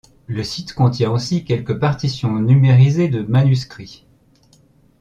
Le site contient aussi quelques partitions numérisées de manuscrits.